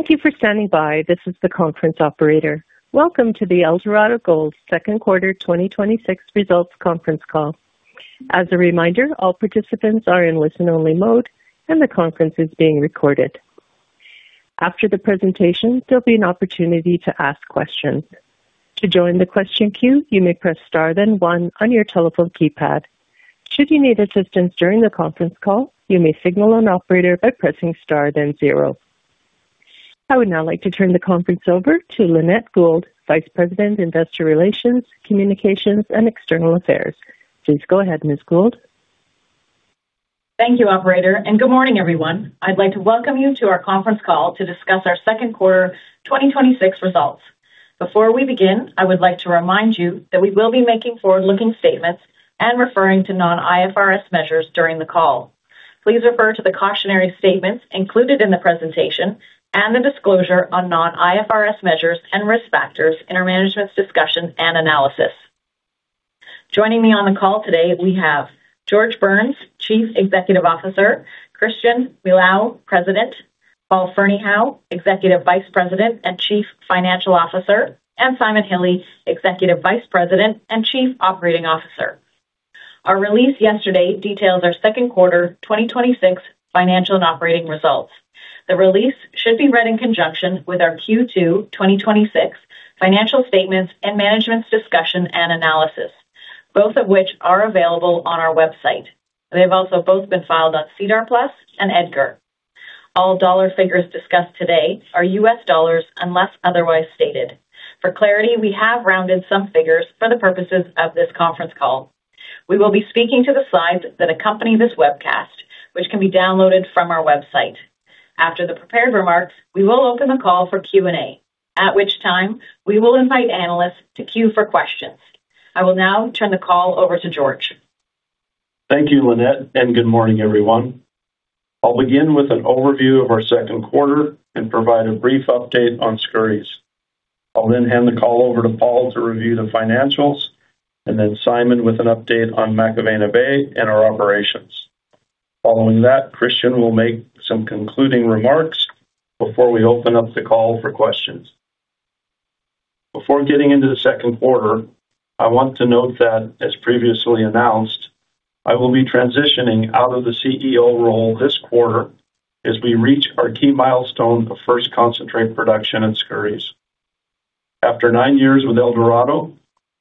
Thank you for standing by. This is the conference operator. Welcome to the Eldorado Gold Second Quarter 2026 Results Conference Call. As a reminder, all participants are in listen-only mode, and the conference is being recorded. After the presentation, there'll be an opportunity to ask questions. To join the question queue, you may press star then one on your telephone keypad. Should you need assistance during the conference call, you may signal an operator by pressing star then zero. I would now like to turn the conference over to Lynette Gould, Vice President, Investor Relations, Communications, and External Affairs. Please go ahead, Ms. Gould. Thank you, operator. Good morning, everyone. I'd like to welcome you to our conference call to discuss our second quarter 2026 results. Before we begin, I would like to remind you that we will be making forward-looking statements and referring to non-IFRS measures during the call. Please refer to the cautionary statements included in the presentation and the disclosure on non-IFRS measures and risk factors in our Management's Discussion and Analysis. Joining me on the call today, we have George Burns, Chief Executive Officer, Christian Milau, President, Paul Ferneyhough, Executive Vice President and Chief Financial Officer, and Simon Hille, Executive Vice President and Chief Operating Officer. Our release yesterday detailed our second quarter 2026 financial and operating results. The release should be read in conjunction with our Q2 2026 financial statements and Management's Discussion and Analysis, both of which are available on our website. They have also both been filed on SEDAR+ and EDGAR. All dollar figures discussed today are U.S. dollars, unless otherwise stated. For clarity, we have rounded some figures for the purposes of this conference call. We will be speaking to the slides that accompany this webcast, which can be downloaded from our website. After the prepared remarks, we will open the call for Q&A, at which time we will invite analysts to queue for questions. I will now turn the call over to George. Thank you, Lynette. Good morning, everyone. I'll begin with an overview of our second quarter and provide a brief update on Skouries. I'll then hand the call over to Paul to review the financials. Then Simon with an update on McIlvenna Bay and our operations. Following that, Christian will make some concluding remarks before we open up the call for questions. Before getting into the second quarter, I want to note that as previously announced, I will be transitioning out of the CEO role this quarter as we reach our key milestone of first concentrate production at Skouries. After nine years with Eldorado,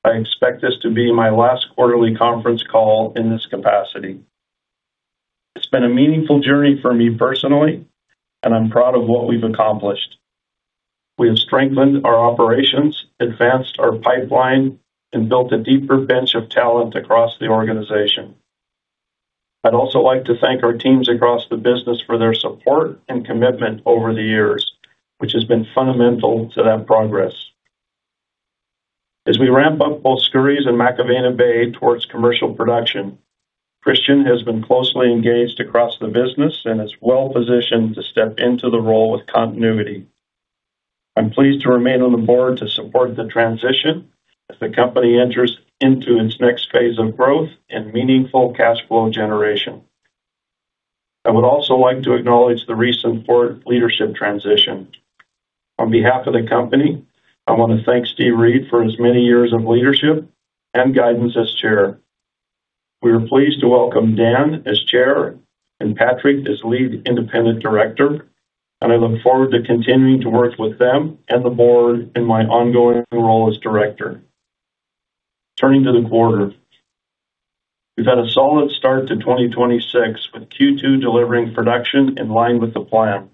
I expect this to be my last quarterly conference call in this capacity. It's been a meaningful journey for me personally, and I'm proud of what we've accomplished. We have strengthened our operations, advanced our pipeline, and built a deeper bench of talent across the organization. I'd also like to thank our teams across the business for their support and commitment over the years, which has been fundamental to that progress. As we ramp up both Skouries and McIlvenna Bay towards commercial production, Christian has been closely engaged across the business and is well-positioned to step into the role with continuity. I'm pleased to remain on the board to support the transition as the company enters into its next phase of growth and meaningful cash flow generation. I would also like to acknowledge the recent board leadership transition. On behalf of the company, I want to thank Steve Reid for his many years of leadership and guidance as chair. We are pleased to welcome Dan as Chair and Patrick as Lead Independent Director. I look forward to continuing to work with them and the board in my ongoing role as Director. Turning to the quarter, we've had a solid start to 2026, with Q2 delivering production in line with the plan.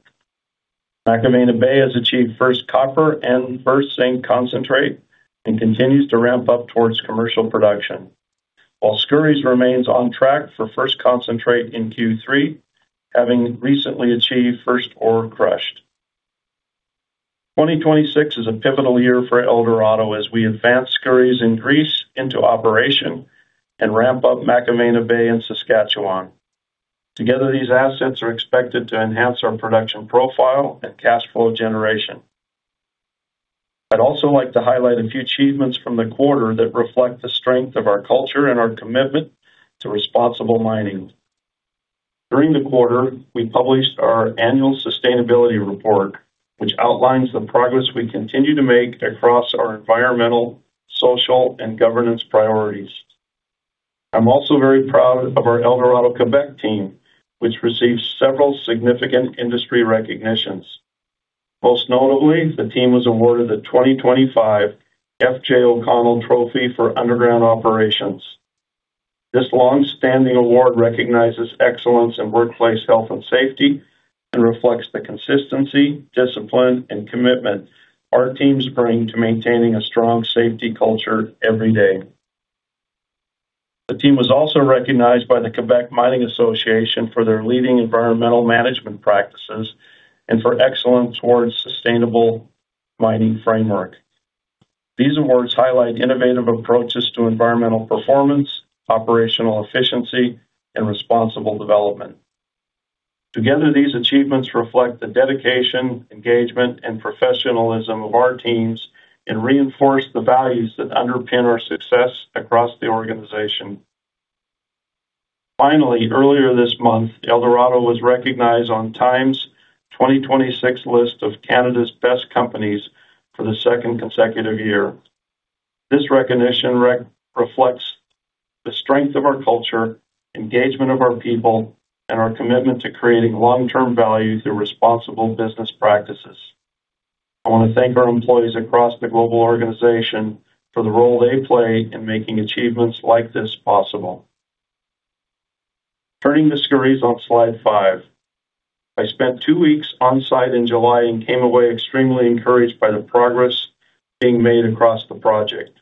McIlvenna Bay has achieved first copper and first zinc concentrate and continues to ramp up towards commercial production. While Skouries remains on track for first concentrate in Q3, having recently achieved first ore crushed. 2026 is a pivotal year for Eldorado as we advance Skouries in Greece into operation and ramp up McIlvenna Bay in Saskatchewan. Together, these assets are expected to enhance our production profile and cash flow generation. I'd also like to highlight a few achievements from the quarter that reflect the strength of our culture and our commitment to responsible mining. During the quarter, we published our annual sustainability report, which outlines the progress we continue to make across our environmental, social, and governance priorities. I'm also very proud of our Eldorado Gold Québec team, which received several significant industry recognitions. Most notably, the team was awarded the 2025 F.J. O'Connell Trophy for underground operations. This longstanding award recognizes excellence in workplace health and safety and reflects the consistency, discipline, and commitment our teams bring to maintaining a strong safety culture every day. The team was also recognized by the Québec Mining Association for their leading environmental management practices and for excellence towards sustainable mining framework. These awards highlight innovative approaches to environmental performance, operational efficiency, and responsible development. Together, these achievements reflect the dedication, engagement, and professionalism of our teams and reinforce the values that underpin our success across the organization. Earlier this month, Eldorado was recognized on TIME's 2026 list of Canada's best companies for the second consecutive year. This recognition reflects the strength of our culture, engagement of our people, and our commitment to creating long-term value through responsible business practices. I want to thank our employees across the global organization for the role they play in making achievements like this possible. Turning to Skouries on slide five. I spent two weeks on-site in July and came away extremely encouraged by the progress being made across the project.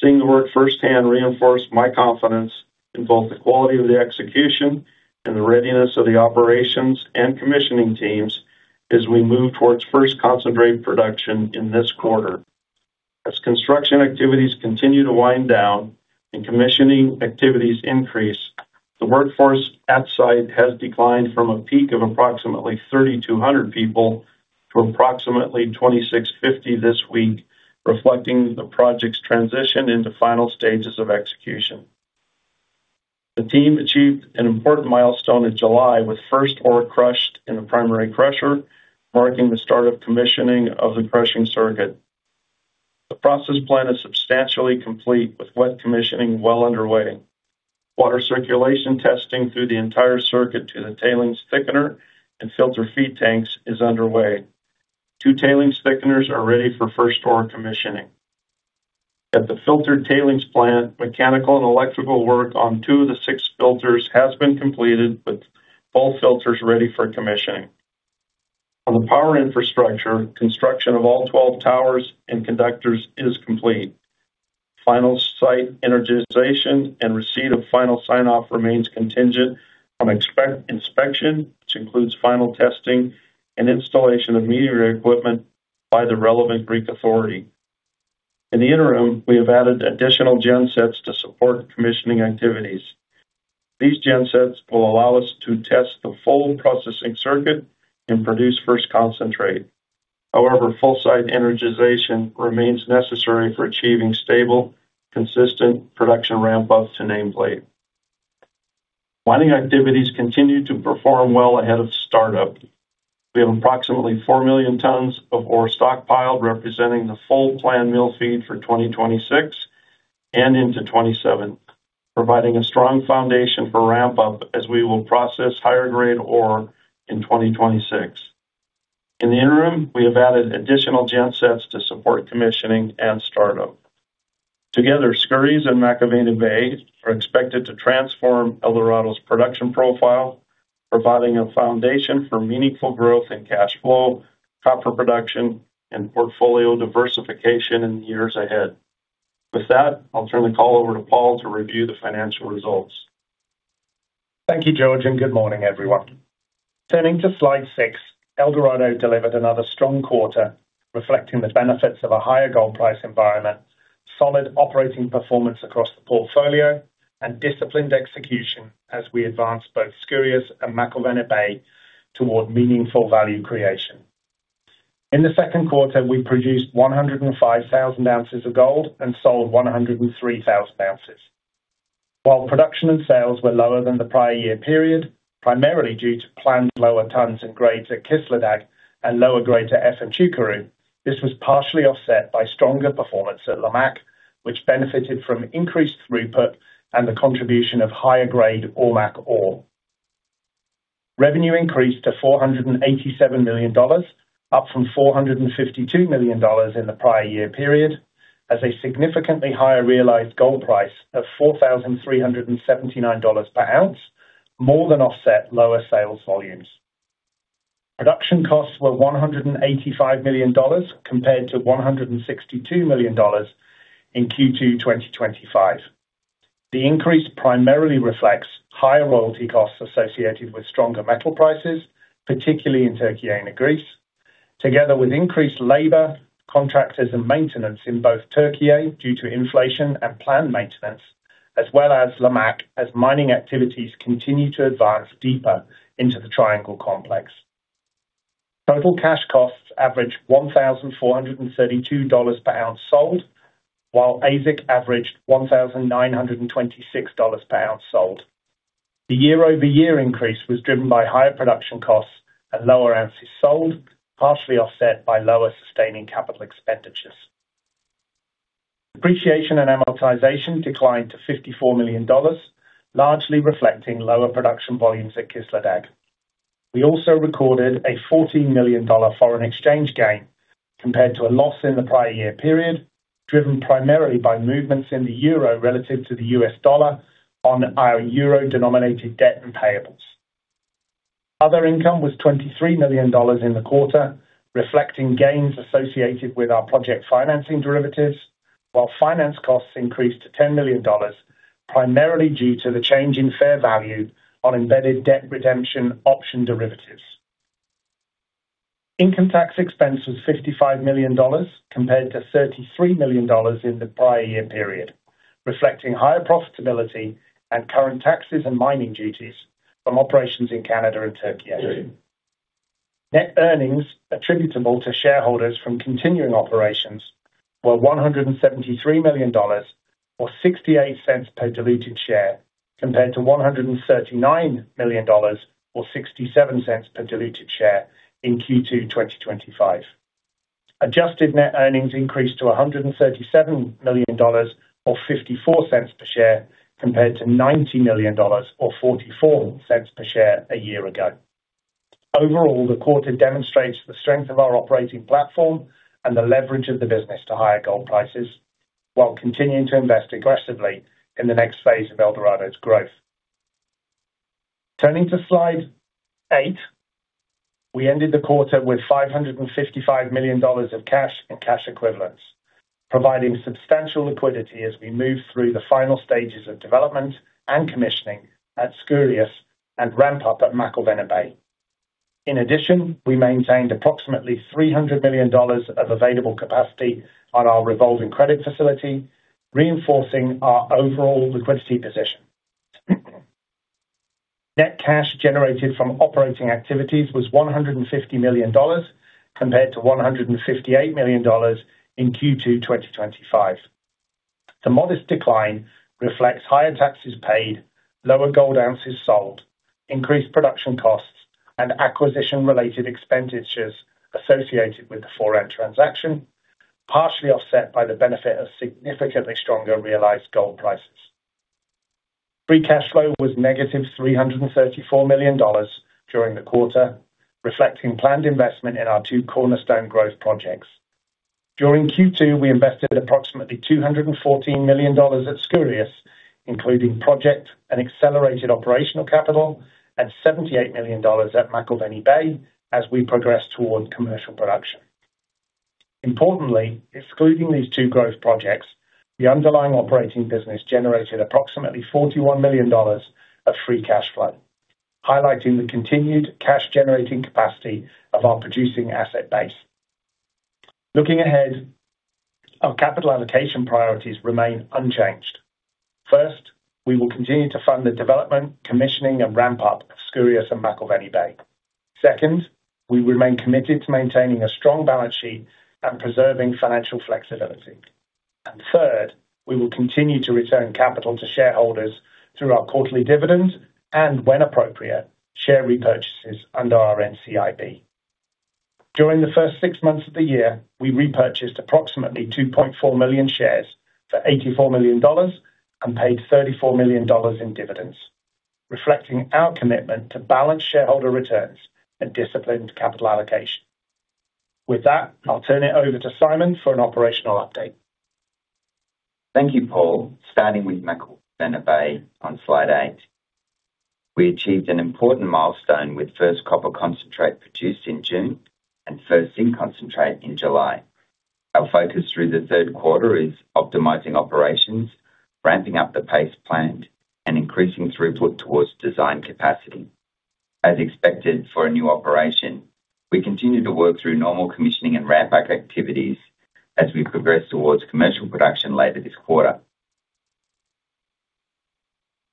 Seeing the work firsthand reinforced my confidence in both the quality of the execution and the readiness of the operations and commissioning teams as we move towards first concentrated production in this quarter. As construction activities continue to wind down and commissioning activities increase, the workforce at site has declined from a peak of approximately 3,200 people to approximately 2,650 this week, reflecting the project's transition into final stages of execution. The team achieved an important milestone in July with first ore crushed in the primary crusher, marking the start of commissioning of the crushing circuit. The process plan is substantially complete, with wet commissioning well underway. Water circulation testing through the entire circuit to the tailings thickener and filter feed tanks is underway. Two tailings thickeners are ready for first ore commissioning. At the filtered tailings plant, mechanical and electrical work on two of the six filters has been completed, with both filters ready for commissioning. On the power infrastructure, construction of all 12 towers and conductors is complete. Final site energization and receipt of final sign-off remains contingent on inspection, which includes final testing and installation of meter equipment by the relevant Greek authority. In the interim, we have added additional gen sets to support commissioning activities. These gen sets will allow us to test the full processing circuit and produce first concentrate. Full site energization remains necessary for achieving stable, consistent production ramp-ups to nameplate. Mining activities continue to perform well ahead of startup. We have approximately 4 million tons of ore stockpiled, representing the full planned mill feed for 2026 and into 2027, providing a strong foundation for ramp-up as we will process higher grade ore in 2026. In the interim, we have added additional gen sets to support commissioning and startup. Together, Skouries and McIlvenna Bay are expected to transform Eldorado's production profile, providing a foundation for meaningful growth and cash flow, copper production, and portfolio diversification in the years ahead. With that, I'll turn the call over to Paul to review the financial results. Thank you, George, and good morning, everyone. Turning to slide six, Eldorado delivered another strong quarter reflecting the benefits of a higher gold price environment, solid operating performance across the portfolio, and disciplined execution as we advance both Skouries and McIlvenna Bay toward meaningful value creation. In the second quarter, we produced 105,000 ounces of gold and sold 103,000 ounces. While production and sales were lower than the prior year period, primarily due to planned lower tons and grades at Kışladağ and lower grade to Efemçukuru, this was partially offset by stronger performance at Lamaque, which benefited from increased throughput and the contribution of higher-grade Ormaque ore. Revenue increased to $487 million, up from $452 million in the prior year period as a significantly higher realized gold price of $4,379 per ounce, more than offset lower sales volumes. Production costs were $185 million, compared to $162 million in Q2 2025. The increase primarily reflects higher royalty costs associated with stronger metal prices, particularly in Türkiye and Greece, together with increased labor, contractors, and maintenance in both Türkiye due to inflation and plant maintenance, as well as Lamaque, as mining activities continue to advance deeper into the Triangle Complex. Total cash costs averaged $1,432 per ounce sold, while AISC averaged $1,926 per ounce sold. The year-over-year increase was driven by higher production costs and lower ounces sold, partially offset by lower sustaining capital expenditures. Depreciation and amortization declined to $54 million, largely reflecting lower production volumes at Kışladağ. We also recorded a $14 million foreign exchange gain compared to a loss in the prior year period, driven primarily by movements in the euro relative to the U.S. dollar on our EUR-denominated debt and payables. Other income was $23 million in the quarter, reflecting gains associated with our project financing derivatives, while finance costs increased to $10 million, primarily due to the change in fair value on embedded debt redemption option derivatives. Income tax expense was $55 million, compared to $33 million in the prior year period, reflecting higher profitability and current taxes and mining duties from operations in Canada and Türkiye. Net earnings attributable to shareholders from continuing operations were $173 million, or $0.68 per diluted share, compared to $139 million or $0.67 per diluted share in Q2 2025. Adjusted net earnings increased to $137 million or $0.54 per share, compared to $90 million or $0.44 per share a year ago. Overall, the quarter demonstrates the strength of our operating platform and the leverage of the business to higher gold prices, while continuing to invest aggressively in the next phase of Eldorado's growth. Turning to slide eight, we ended the quarter with $555 million of cash and cash equivalents, providing substantial liquidity as we move through the final stages of development and commissioning at Skouries and ramp up at McIlvenna Bay. In addition, we maintained approximately $300 million of available capacity on our revolving credit facility, reinforcing our overall liquidity position. Net cash generated from operating activities was $150 million, compared to $158 million in Q2 2025. The modest decline reflects higher taxes paid, lower gold ounces sold, increased production costs, and acquisition-related expenditures associated with the Foran transaction, partially offset by the benefit of significantly stronger realized gold prices. Free cash flow was negative $334 million during the quarter, reflecting planned investment in our two cornerstone growth projects. During Q2, we invested approximately $214 million at Skouries, including project and accelerated operational capital, and $78 million at McIlvenna Bay as we progress toward commercial production. Importantly, excluding these two growth projects, the underlying operating business generated approximately $41 million of free cash flow, highlighting the continued cash-generating capacity of our producing asset base. Looking ahead, our capital allocation priorities remain unchanged. First, we will continue to fund the development, commissioning, and ramp up of Skouries and McIlvenna Bay. Second, we remain committed to maintaining a strong balance sheet and preserving financial flexibility. Third, we will continue to return capital to shareholders through our quarterly dividends and, when appropriate, share repurchases under our NCIB. During the first six months of the year, we repurchased approximately 2.4 million shares for $84 million and paid $34 million in dividends, reflecting our commitment to balanced shareholder returns and disciplined capital allocation. With that, I'll turn it over to Simon for an operational update. Thank you, Paul. Starting with McIlvenna Bay on slide eight, we achieved an important milestone with first copper concentrate produced in June and first zinc concentrate in July. Our focus through the third quarter is optimizing operations, ramping up the pace planned, and increasing throughput towards design capacity. As expected for a new operation, we continue to work through normal commissioning and ramp-up activities as we progress towards commercial production later this quarter.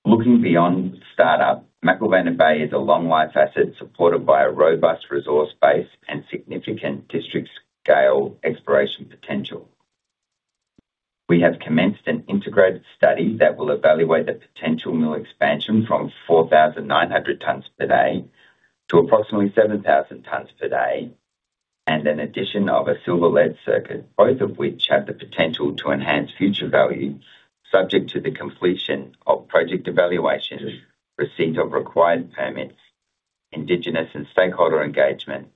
Looking beyond startup, McIlvenna Bay is a long-life asset supported by a robust resource base and significant district-scale exploration potential. We have commenced an integrated study that will evaluate the potential mill expansion from 4,900 tons per day to approximately 7,000 tons per day, and an addition of a silver-lead circuit, both of which have the potential to enhance future value subject to the completion of project evaluations, receipt of required permits, indigenous and stakeholder engagement,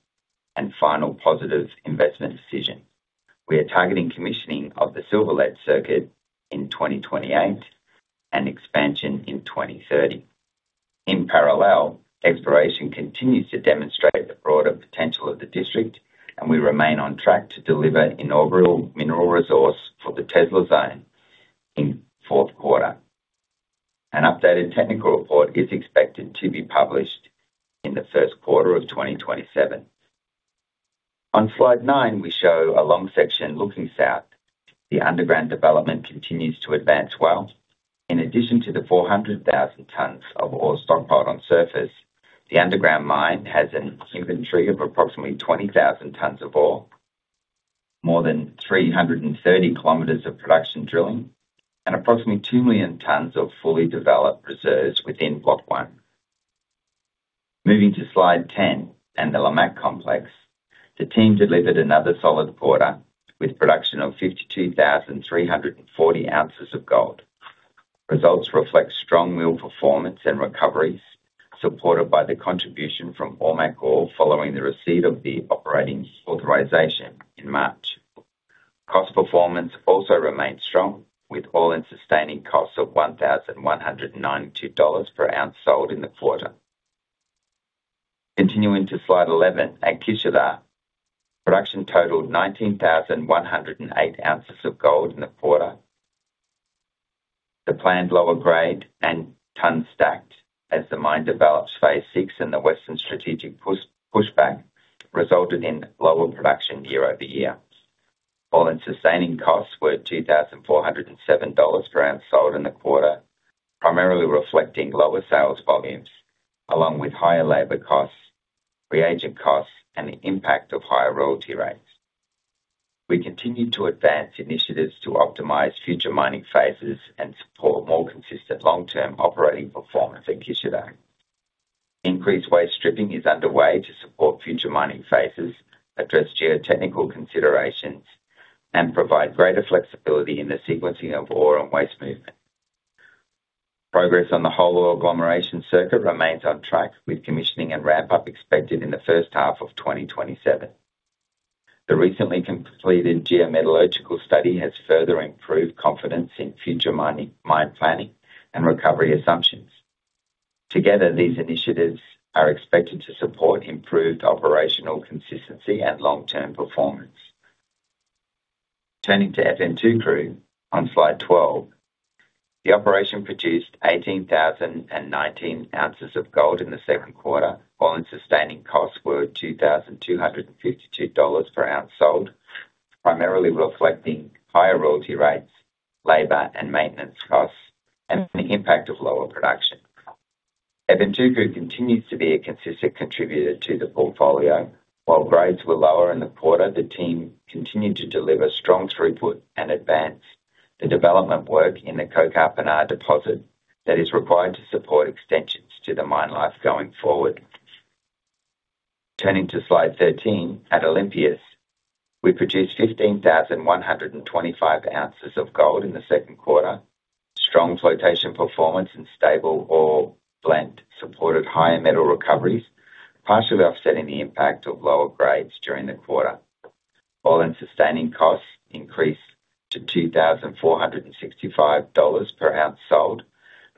and final positive investment decision. We are targeting commissioning of the silver-lead circuit in 2028 and expansion in 2030. In parallel, exploration continues to demonstrate the broader potential of the district, and we remain on track to deliver inaugural mineral resource for the Tesla Zone in fourth quarter. An updated technical report is expected to be published in the first quarter of 2027. On slide nine, we show a long section looking south. The underground development continues to advance well. In addition to the 400,000 tons of ore stockpiled on surface, the underground mine has an inventory of approximately 20,000 tons of ore, more than 330 km of production drilling, and approximately 2 million tons of fully developed reserves within Block 1. Moving to slide 10 and the Lamaque Complex. The team delivered another solid quarter with production of 52,340 ounces of gold. Results reflect strong mill performance and recoveries, supported by the contribution from Ormaque ore following the receipt of the operating authorization in March. Cost performance also remained strong, with all-in sustaining costs of $1,192 per ounce sold in the quarter. Continuing to slide 11 at Kışladağ. Production totaled 19,108 ounces of gold in the quarter. The planned lower grade and tons stacked as the mine develops phase VI in the Western strategic pushback resulted in lower production year-over-year. All-in sustaining costs were $2,407 per ounce sold in the quarter, primarily reflecting lower sales volumes along with higher labor costs, reagent costs, and the impact of higher royalty rates. We continued to advance initiatives to optimize future mining phases and support more consistent long-term operating performance at Kışladağ. Increased waste stripping is underway to support future mining phases, address geotechnical considerations, and provide greater flexibility in the sequencing of ore and waste movement. Progress on the whole ore agglomeration circuit remains on track, with commissioning and ramp-up expected in the first half of 2027. The recently completed geometallurgical study has further improved confidence in future mine planning and recovery assumptions. Together, these initiatives are expected to support improved operational consistency and long-term performance. Turning to Efemçukuru on slide twelve. The operation produced 18,019 ounces of gold in the second quarter, while sustaining costs were $2,252 per ounce sold, primarily reflecting higher royalty rates, labor and maintenance costs, and the impact of lower production. Efemçukuru continues to be a consistent contributor to the portfolio. While grades were lower in the quarter, the team continued to deliver strong throughput and advance the development work in the Kokarpinar deposit that is required to support extensions to the mine life going forward. Turning to slide thirteen, at Olympias, we produced 15,125 ounces of gold in the second quarter. Strong flotation performance and stable ore blend supported higher metal recoveries, partially offsetting the impact of lower grades during the quarter. All-in sustaining costs increased to $2,465 per ounce sold,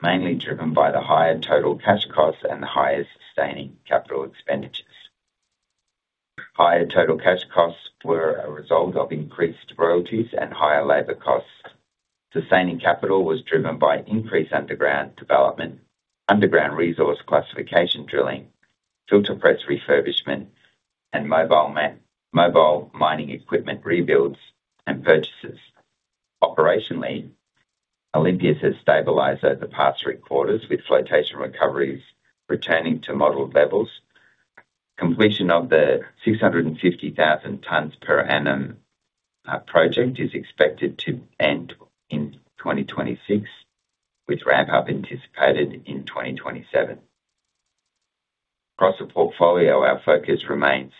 mainly driven by the higher total cash costs and the higher sustaining capital expenditures. Higher total cash costs were a result of increased royalties and higher labor costs. Sustaining capital was driven by increased underground development, underground resource classification drilling, filter press refurbishment, and mobile mining equipment rebuilds and purchases. Operationally, Olympias has stabilized over the past three quarters, with flotation recoveries returning to model levels. Completion of the 650,000 tons per annum project is expected to end in 2026, with ramp-up anticipated in 2027. Across the portfolio, our focus remains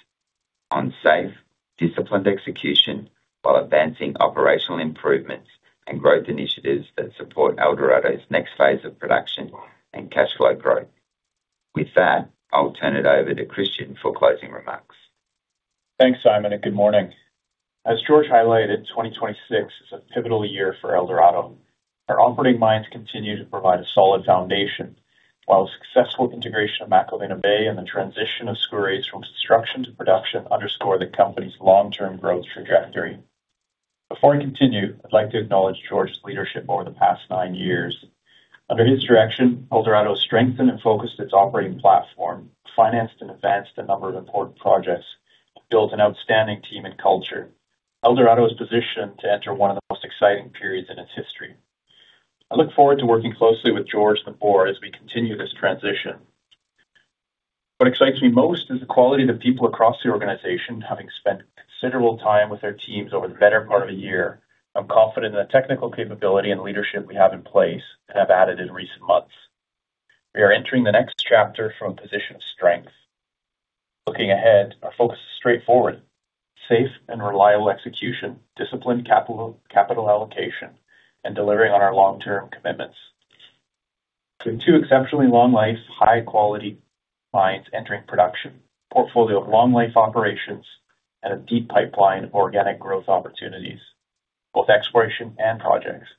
on safe, disciplined execution while advancing operational improvements and growth initiatives that support Eldorado's next phase of production and cash flow growth. With that, I'll turn it over to Christian for closing remarks. Thanks, Simon. Good morning. As George highlighted, 2026 is a pivotal year for Eldorado. Our operating mines continue to provide a solid foundation, while the successful integration of McIlvenna Bay and the transition of Skouries from construction to production underscore the company's long-term growth trajectory. Before I continue, I'd like to acknowledge George's leadership over the past nine years. Under his direction, Eldorado strengthened and focused its operating platform, financed and advanced a number of important projects, and built an outstanding team and culture. Eldorado is positioned to enter one of the most exciting periods in its history. I look forward to working closely with George and the Board as we continue this transition. What excites me most is the quality of the people across the organization. Having spent considerable time with our teams over the better part of a year, I'm confident in the technical capability and leadership we have in place and have added in recent months. We are entering the next chapter from a position of strength. Looking ahead, our focus is straightforward, safe and reliable execution, disciplined capital allocation, and delivering on our long-term commitments. With two exceptionally long life, high quality mines entering production, portfolio of long life operations, and a deep pipeline of organic growth opportunities, both exploration and projects.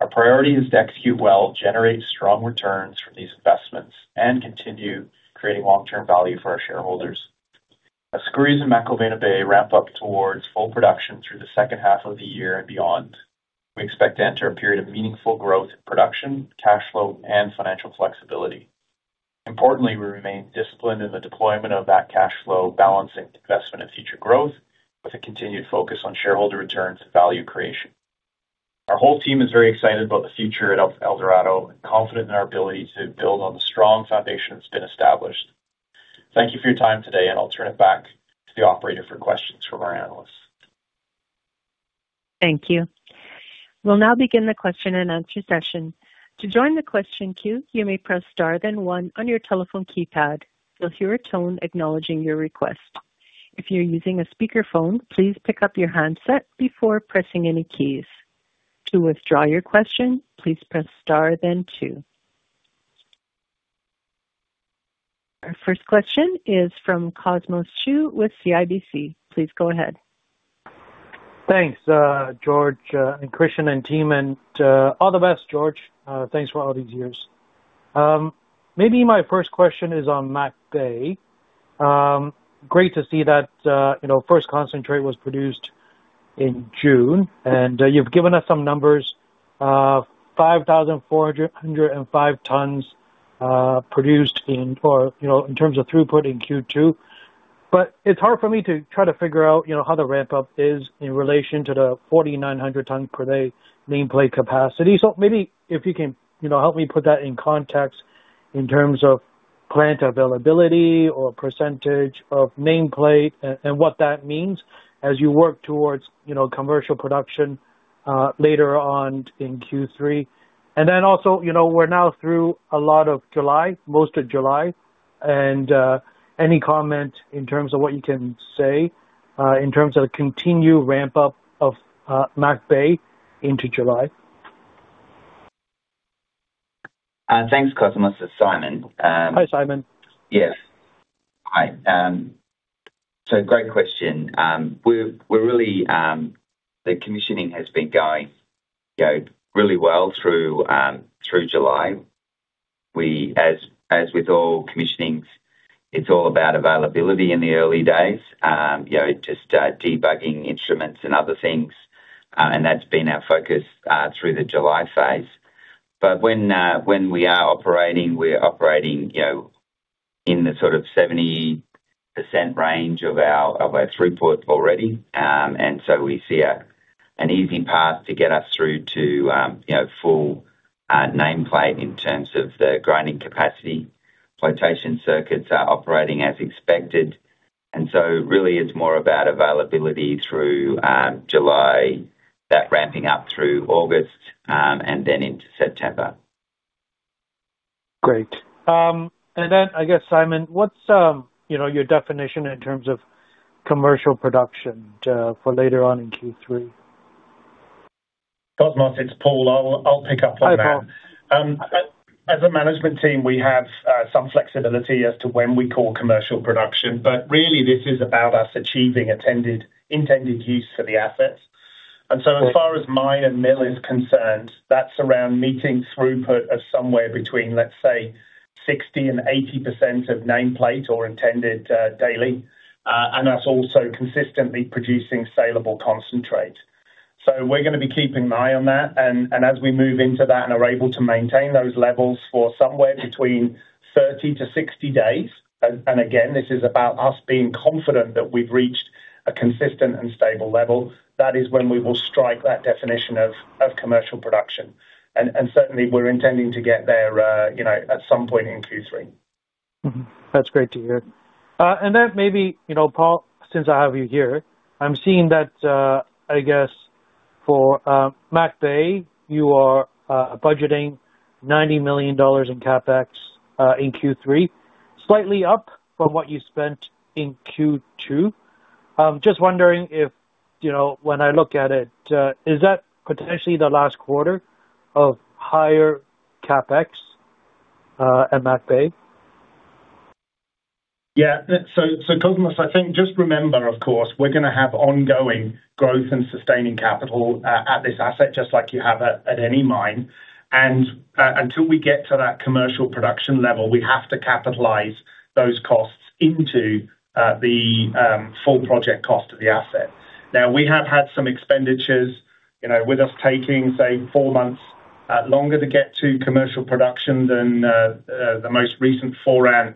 Our priority is to execute well, generate strong returns from these investments, and continue creating long-term value for our shareholders. As Skouries and McIlvenna Bay ramp up towards full production through the second half of the year and beyond, we expect to enter a period of meaningful growth in production, cash flow, and financial flexibility. Importantly, we remain disciplined in the deployment of that cash flow, balancing investment and future growth with a continued focus on shareholder returns and value creation. Our whole team is very excited about the future at Eldorado and confident in our ability to build on the strong foundation that's been established. Thank you for your time today, and I'll turn it back to the operator for questions from our analysts. Thank you. We'll now begin the question and answer session. To join the question queue, you may press star then one on your telephone keypad. You'll hear a tone acknowledging your request. If you're using a speakerphone, please pick up your handset before pressing any keys. To withdraw your question, please press star then two. Our first question is from Cosmos Chiu with CIBC. Please go ahead. Thanks, George and Christian and team, and all the best, George. Thanks for all these years. My first question is on McIlvenna Bay. Great to see that first concentrate was produced in June and you've given us some numbers 5,405 tons produced in terms of throughput in Q2. It's hard for me to try to figure out how the ramp-up is in relation to the 4,900 ton per day nameplate capacity. Maybe if you can help me put that in context in terms of plant availability or percentage of nameplate and what that means as you work towards commercial production later on in Q3. Also, we're now through a lot of July, most of July, and any comment in terms of what you can say, in terms of the continued ramp-up of McIlvenna Bay into July? Thanks, Cosmos. This is Simon. Hi, Simon. Yes. Hi. Great question. The commissioning has been going really well through July. As with all commissionings, it's all about availability in the early days. Just debugging instruments and other things. That's been our focus through the July phase. When we are operating, we are operating in the 70% range of our throughput already. We see an easy path to get us through to full nameplate in terms of the grinding capacity. Flotation circuits are operating as expected, really it's more about availability through July, that ramping up through August, and then into September. Great. I guess, Simon, what's your definition in terms of commercial production for later on in Q3? Cosmos, it's Paul. I'll pick up on that. Hi, Paul. As a management team, we have some flexibility as to when we call commercial production. Really this is about us achieving intended use for the assets. As far as mine and mill is concerned, that's around meeting throughput of somewhere between, let's say, 60%-80% of nameplate or intended daily. That's also consistently producing saleable concentrate. We're going to be keeping an eye on that and as we move into that and are able to maintain those levels for somewhere between 30-60 days. Again, this is about us being confident that we've reached a consistent and stable level. That is when we will strike that definition of commercial production. Certainly, we're intending to get there at some point in Q3. That's great to hear. Maybe, Paul, since I have you here, I'm seeing that, I guess, for McIlvenna Bay, you are budgeting $90 million in CapEx in Q3, slightly up from what you spent in Q2. Just wondering if, when I look at it, is that potentially the last quarter of higher CapEx at McIlvenna Bay? Yeah. Cosmos, I think just remember, of course, we're going to have ongoing growth in sustaining capital at this asset, just like you have at any mine. Until we get to that commercial production level, we have to capitalize those costs into the full project cost of the asset. Now we have had some expenditures, with us taking, say, four months longer to get to commercial production than the most recent Foran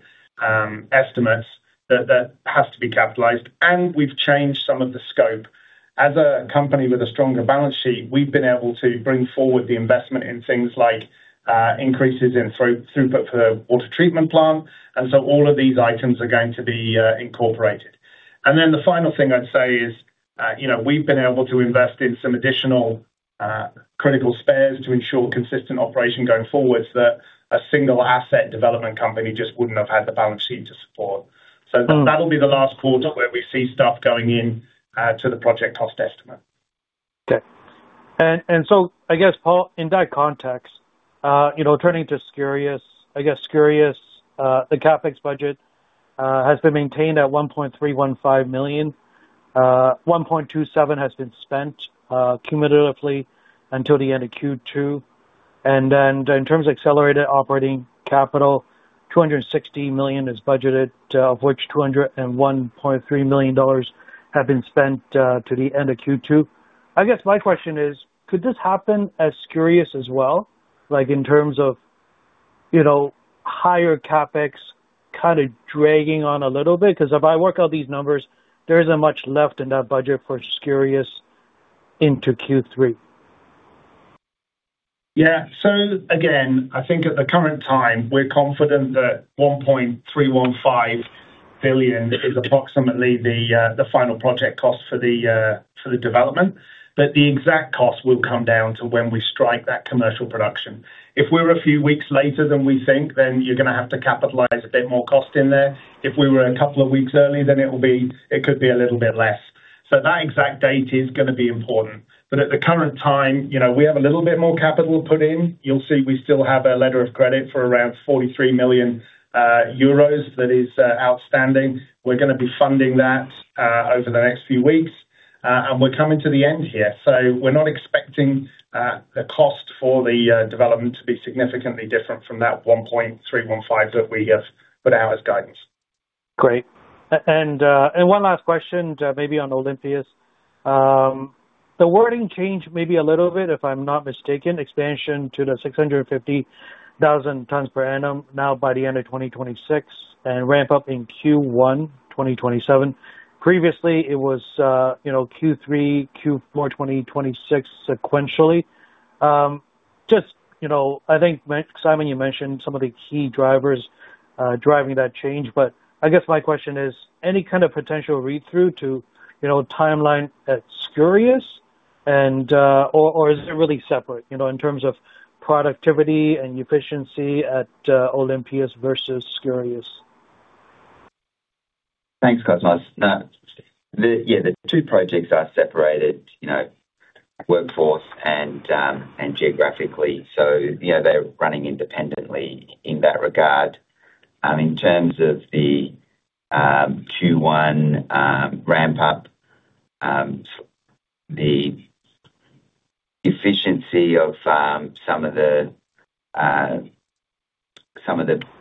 estimates that has to be capitalized. We've changed some of the scope. As a company with a stronger balance sheet, we've been able to bring forward the investment in things like increases in throughput for water treatment plant. All of these items are going to be incorporated. The final thing I'd say is we've been able to invest in some additional critical spares to ensure consistent operation going forward, so that a single asset development company just wouldn't have had the balance sheet to support. That'll be the last quarter where we see stuff going in to the project cost estimate. Okay. I guess, Paul, in that context, turning to Skouries, I guess Skouries, the CapEx budget has been maintained at $1.315 million. $1.27 has been spent cumulatively until the end of Q2. In terms of accelerated operating capital, $260 million is budgeted, of which $201.3 million have been spent to the end of Q2. I guess my question is, could this happen at Skouries as well, like in terms of higher CapEx dragging on a little bit? Because if I work out these numbers, there isn't much left in that budget for Skouries into Q3. Again, I think at the current time, we're confident that $1.315 billion is approximately the final project cost for the development. The exact cost will come down to when we strike that commercial production. If we're a few weeks later than we think, then you're going to have to capitalize a bit more cost in there. If we were a couple of weeks early, then it could be a little bit less. That exact date is going to be important. At the current time, we have a little bit more capital to put in. You'll see we still have a letter of credit for around 43 million euros that is outstanding. We're going to be funding that over the next few weeks. We're coming to the end here. We're not expecting the cost for the development to be significantly different from that $1.315 billion that we have put out as guidance. Great. One last question, maybe on Olympias. The wording changed maybe a little bit, if I'm not mistaken, expansion to the 650,000 tons per annum now by the end of 2026 and ramp up in Q1 2027. Previously, it was Q3, Q4 2026 sequentially. I think, Simon, you mentioned some of the key drivers driving that change. I guess my question is, any kind of potential read-through to, timeline at Skouries? Or is it really separate, in terms of productivity and efficiency at Olympias versus Skouries? Thanks, Cosmos. Yeah. The two projects are separated, workforce and geographically. They're running independently in that regard. In terms of the Q1 ramp up, the efficiency of some of the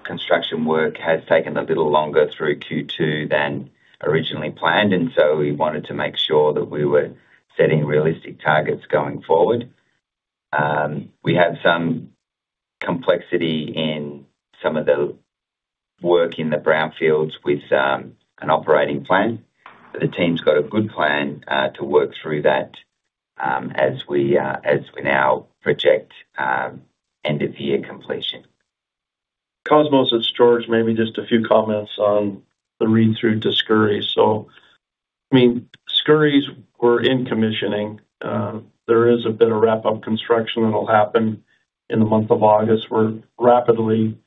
construction work has taken a little longer through Q2 than originally planned, we wanted to make sure that we were setting realistic targets going forward. We had some complexity in some of the work in the brownfields with an operating plan. The team's got a good plan to work through that as we now project end of year completion. Cosmos, it's George. Maybe just a few comments on the read-through to Skouries. Skouries, we're in commissioning. There is a bit of wrap-up construction that'll happen in the month of August. We're rapidly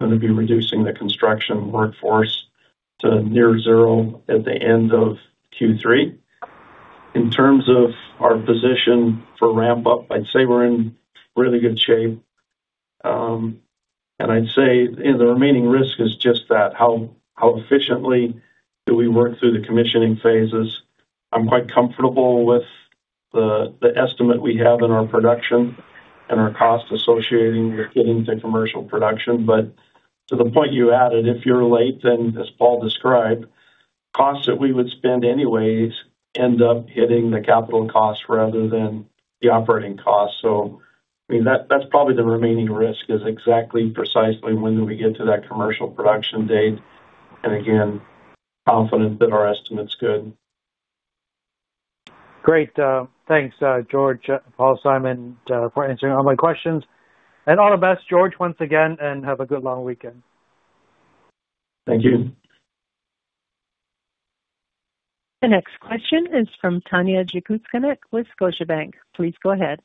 going to be reducing the construction workforce to near zero at the end of Q3. In terms of our position for ramp up, I'd say we're in really good shape. I'd say the remaining risk is just that, how efficiently do we work through the commissioning phases? I'm quite comfortable with the estimate we have in our production and our cost associating with getting to commercial production. To the point you added, if you're late, then as Paul described, costs that we would spend anyways end up hitting the capital cost rather than the operating cost. That's probably the remaining risk is exactly precisely when do we get to that commercial production date. Again, confident that our estimate's good. Great. Thanks, George, Paul, Simon for answering all my questions. All the best, George, once again, and have a good long weekend. Thank you. Thank you. The next question is from Tanya Jakusconek with Scotiabank. Please go ahead.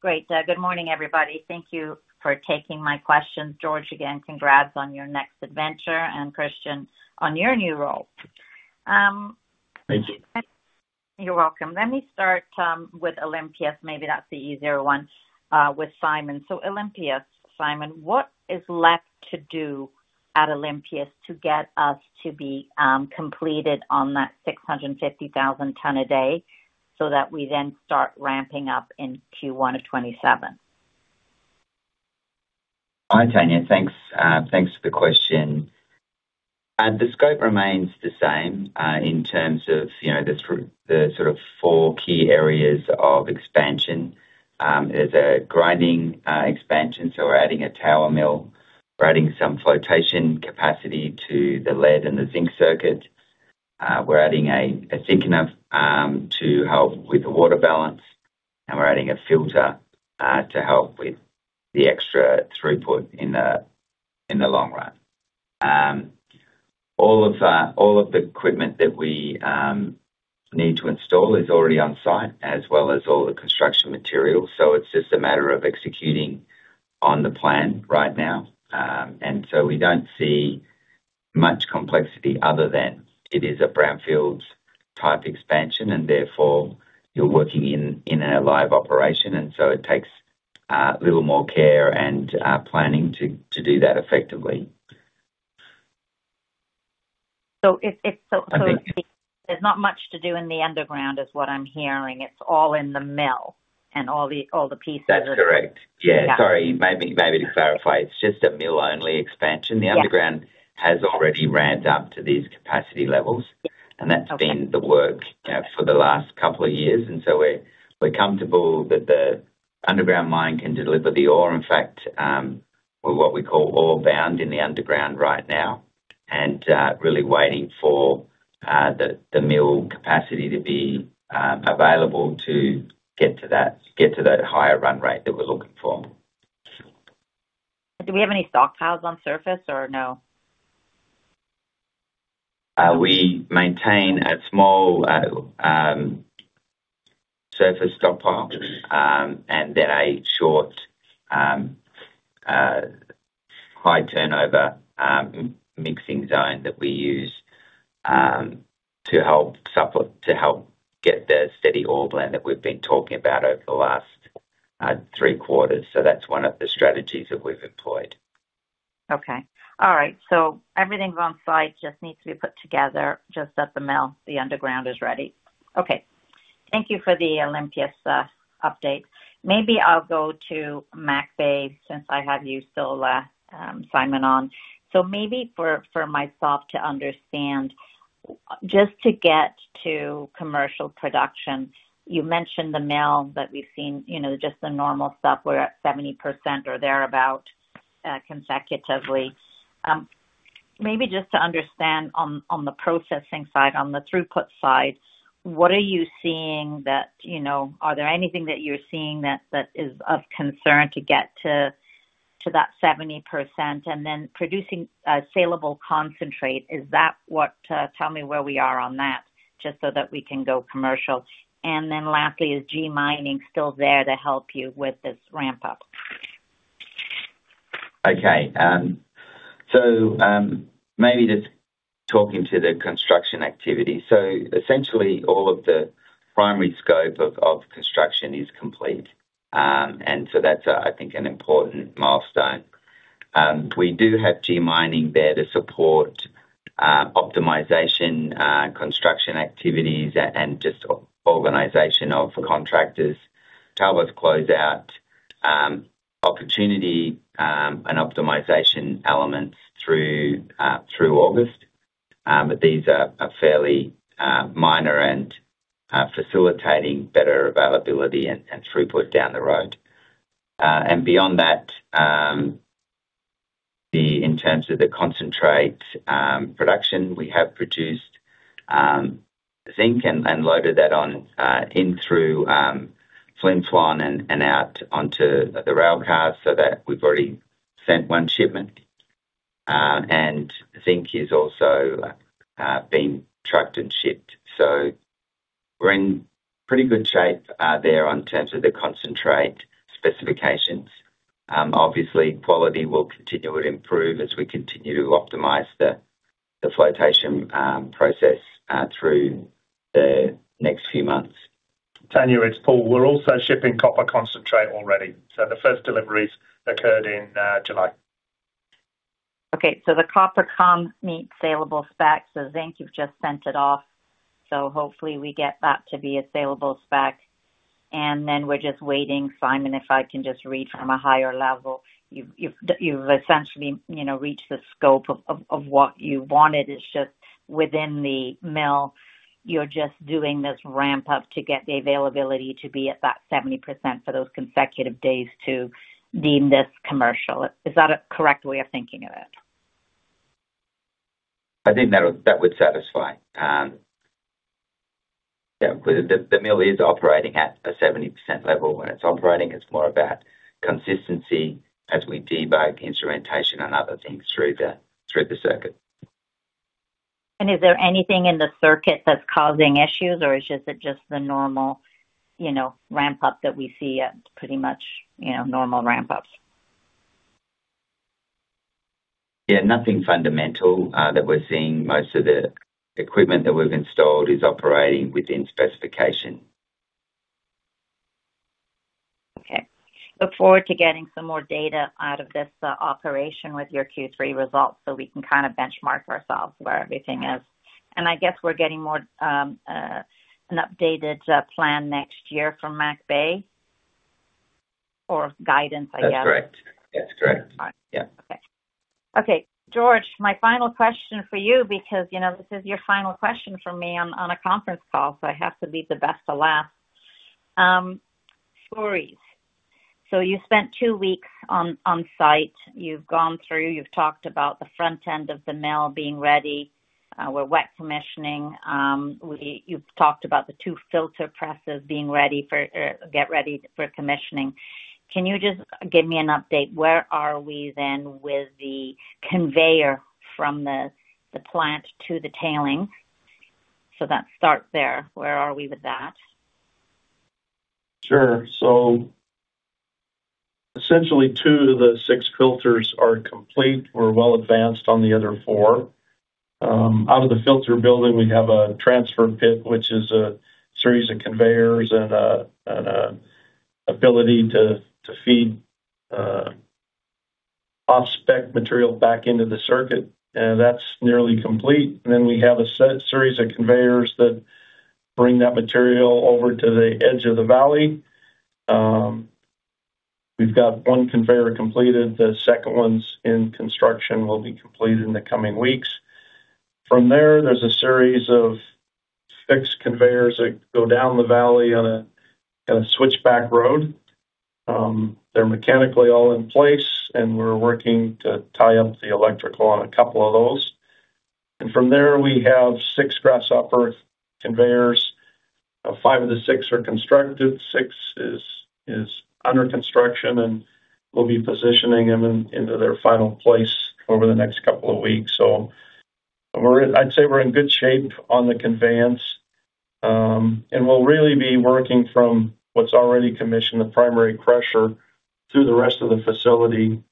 Great. Good morning, everybody. Thank you for taking my questions. George, again, congrats on your next adventure, and Christian, on your new role. Thank you. You're welcome. Let me start with Olympias. Maybe that's the easier one with Simon. Olympias, Simon, what is left to do at Olympias to get us to be completed on that 650,000 ton a day so that we then start ramping up in Q1 of 2027? Hi, Tanya. Thanks for the question. The scope remains the same, in terms of the sort of four key areas of expansion. There's a grinding expansion, so we're adding a tower mill. We're adding some flotation capacity to the lead and the zinc circuit. We're adding a thickener to help with the water balance, and we're adding a filter to help with the extra throughput in the long run. All of the equipment that we need to install is already on-site, as well as all the construction materials, so it's just a matter of executing on the plan right now. We don't see much complexity other than it is a brownfields type expansion and therefore you're working in a live operation, and so it takes a little more care and planning to do that effectively. So it's- I think- There's not much to do in the underground is what I'm hearing. It's all in the mill and all the pieces. That's correct. Yeah. Sorry. Maybe to clarify, it's just a mill-only expansion. Yeah. The underground has already ramped up to these capacity levels. Okay That's been the work for the last couple of years. We're comfortable that the underground mine can deliver the ore. In fact, we're what we call ore bound in the underground right now, and really waiting for the mill capacity to be available to get to that higher run rate that we're looking for. Do we have any stockpiles on surface or no? We maintain a small surface stockpile, and then a short, high turnover, mixing zone that we use, to help get the steady ore blend that we've been talking about over the last three quarters. That's one of the strategies that we've employed. Okay. All right. Everything's on-site, just needs to be put together, just at the mill. The underground is ready. Okay. Thank you for the Olympias update. Maybe I'll go to McIlvenna Bay since I have you still, Simon, on. Maybe for myself to understand, just to get to commercial production, you mentioned the mill that we've seen, just the normal stuff. We're at 70% or thereabout, consecutively. Maybe just to understand on the processing side, on the throughput side, are there anything that you're seeing that is of concern to get to that 70% and then producing a saleable concentrate? Tell me where we are on that, just so that we can go commercial. Then lastly, is G Mining still there to help you with this ramp up? Okay. Maybe just talking to the construction activity. Essentially, all of the primary scope of construction is complete. That's, I think, an important milestone. We do have G Mining there to support optimization, construction activities, and just organization of contractors. Tell us, close out opportunity and optimization elements through August. These are fairly minor and facilitating better availability and throughput down the road. Beyond that, in terms of the concentrate production, we have produced zinc and loaded that in through Flin Flon and out onto the rail car that we've already sent one shipment. Zinc is also being trucked and shipped. We're in pretty good shape there in terms of the concentrate specifications. Obviously, quality will continue to improve as we continue to optimize the flotation process through the next few months. Tanya, it's Paul. We're also shipping copper concentrate already. The first deliveries occurred in July. Okay, the copper comm meets saleable spec. Zinc, you've just sent it off. Hopefully we get that to be a saleable spec. Then we're just waiting, Simon, if I can just read from a higher level, you've essentially reached the scope of what you wanted. It's just within the mill, you're just doing this ramp up to get the availability to be at that 70% for those consecutive days to deem this commercial. Is that a correct way of thinking of it? I think that would satisfy. Yeah. The mill is operating at a 70% level when it's operating. It's more about consistency as we debug instrumentation and other things through the circuit. Is there anything in the circuit that's causing issues, or is it just the normal ramp up that we see at pretty much normal ramp ups? Yeah, nothing fundamental that we're seeing. Most of the equipment that we've installed is operating within specification. Okay. Look forward to getting some more data out of this operation with your Q3 results so we can kind of benchmark ourselves where everything is. I guess we're getting an updated plan next year from McIlvenna Bay or guidance, I guess. That's correct. Yeah. Okay. George, my final question for you because this is your final question from me on a conference call, so I have to leave the best to last. Skouries. You spent two weeks on site. You've gone through, you've talked about the front end of the mill being ready. We're wet commissioning. You've talked about the two filter presses being ready for commissioning. Can you just give me an update? Where are we then with the conveyor from the plant to the tailings? That starts there. Where are we with that? Sure. Essentially two of the six filters are complete. We're well advanced on the other four. Out of the filter building, we have a transfer pit, which is a series of conveyors and ability to feed off-spec material back into the circuit. That's nearly complete. We have a series of conveyors that bring that material over to the edge of the valley. We've got one conveyor completed. The second one's in construction, will be completed in the coming weeks. From there's a series of fixed conveyors that go down the valley on a switchback road. They're mechanically all in place, and we're working to tie up the electrical on a couple of those. From there, we have six grass upper conveyors. Five of the six are constructed, six is under construction, We'll be positioning them into their final place over the next couple of weeks. I'd say we're in good shape on the conveyance. We'll really be working from what's already commissioned, the primary crusher, through the rest of the facility.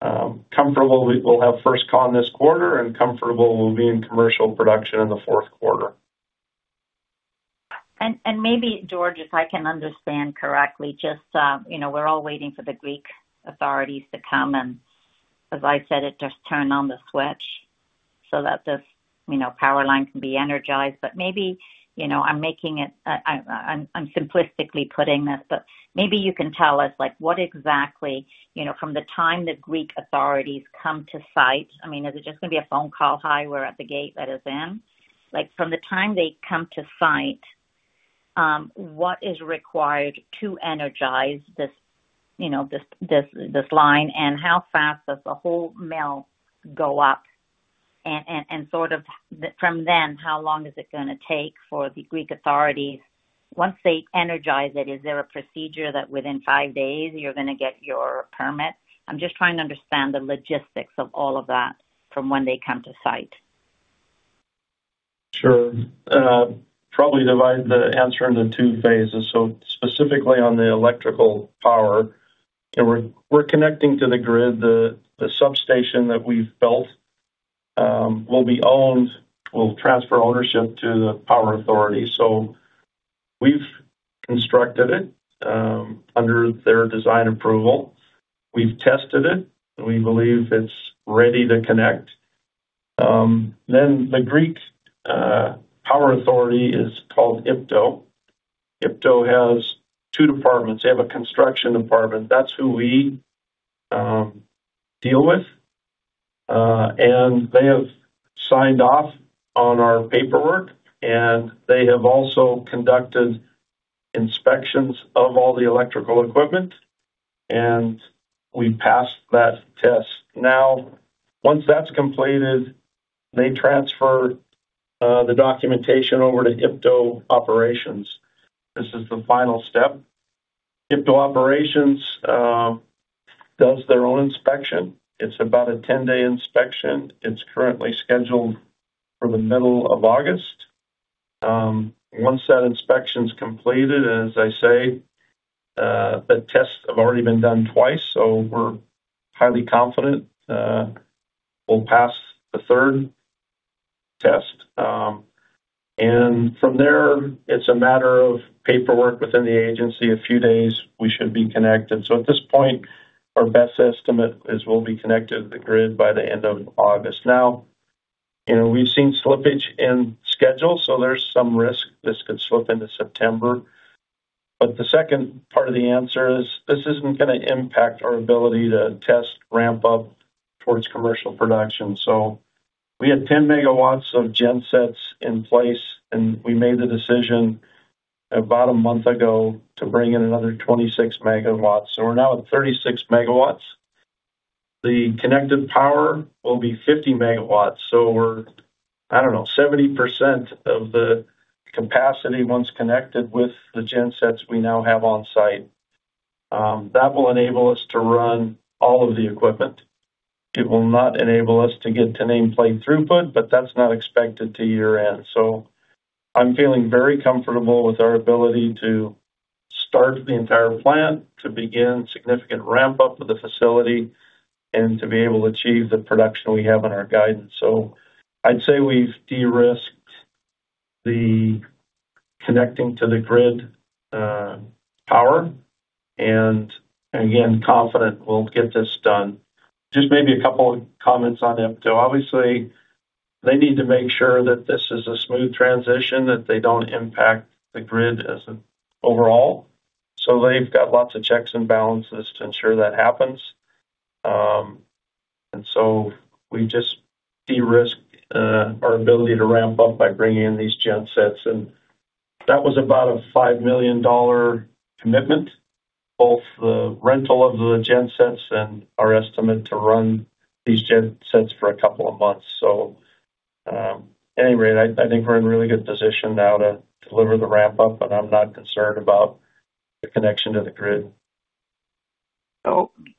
Comfortable we will have first con this quarter and comfortable we'll be in commercial production in the fourth quarter. George, if I can understand correctly, we're all waiting for the Greek authorities to come and, as I said it, just turn on the switch That this power line can be energized. Maybe I'm simplistically putting this, but maybe you can tell us what exactly, from the time the Greek authorities come to site, is it just going to be a phone call, "Hi, we're at the gate. Let us in?" From the time they come to site, what is required to energize this line, and how fast does the whole mill go up? From then, how long is it going to take for the Greek authorities, once they energize it, is there a procedure that within five days you're going to get your permit? I'm just trying to understand the logistics of all of that from when they come to site. Sure. Probably divide the answer into two phases. Specifically on the electrical power, we're connecting to the grid. The substation that we've built, we'll transfer ownership to the power authority. We've constructed it under their design approval. We've tested it, We believe it's ready to connect. The Greek power authority is called IPTO. IPTO has two departments. They have a construction department. That's who we deal with. They have signed off on our paperwork, They have also conducted inspections of all the electrical equipment, We passed that test. Once that's completed, they transfer the documentation over to IPTO Operations. This is the final step. IPTO Operations does their own inspection. It's about a 10-day inspection. It's currently scheduled for the middle of August. Once that inspection's completed, as I say, the tests have already been done twice, we're highly confident we'll pass the third test. From there, it's a matter of paperwork within the agency. A few days, we should be connected. At this point, our best estimate is we'll be connected to the grid by the end of August. We've seen slippage in schedule, there's some risk this could slip into September. The second part of the answer is this isn't going to impact our ability to test ramp-up towards commercial production. We had 10 MW of gen sets in place, we made the decision about a month ago to bring in another 26 MW. We're now at 36 MW. The connected power will be 50 MW. We're, I don't know, 70% of the capacity once connected with the gen sets we now have on site. That will enable us to run all of the equipment. It will not enable us to get to nameplate throughput, that's not expected till year-end. I'm feeling very comfortable with our ability to start the entire plant, to begin significant ramp-up of the facility, to be able to achieve the production we have in our guidance. I'd say we've de-risked the connecting to the grid power, again, confident we'll get this done. Just maybe a couple of comments on IPTO. Obviously, they need to make sure that this is a smooth transition, that they don't impact the grid as an overall. They've got lots of checks and balances to ensure that happens. We just de-risk our ability to ramp up by bringing in these gen sets, that was about a $5 million commitment, both the rental of the gen sets and our estimate to run these gen sets for a couple of months. At any rate, I think we're in a really good position now to deliver the ramp-up, I'm not concerned about the connection to the grid.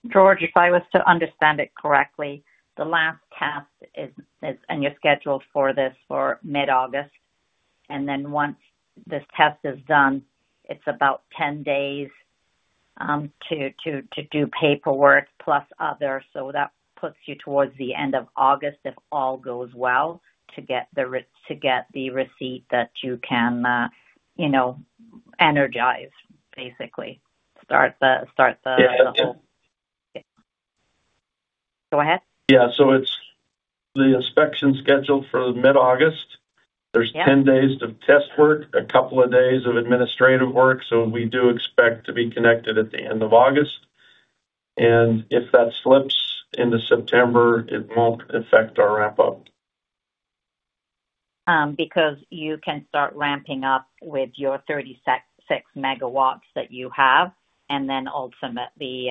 George, if I was to understand it correctly, the last test is, you're scheduled for this for mid-August, once this test is done, it's about 10 days to do paperwork plus other, that puts you towards the end of August, if all goes well, to get the receipt that you can energize, basically. Start the whole- Yeah. Go ahead. Yeah. It's the inspection scheduled for mid-August. Yeah. There's 10 days of test work, a couple of days of administrative work. We do expect to be connected at the end of August. If that slips into September, it won't affect our ramp-up. Because you can start ramping up with your 36 MW that you have, and then ultimately